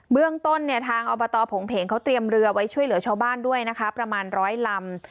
เรื่องต้นเนี่ยทางอบตผงเพงเขาเตรียมเรือไว้ช่วยเหลือชาวบ้านด้วยนะคะประมาณร้อยลำ